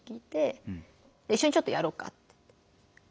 「一緒にちょっとやろうか」って。